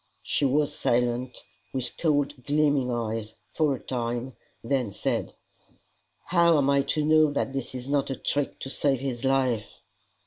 She was silent, with cold gleaming eyes, for a time, then said, "How am I to know that this is not a trick to save his life?"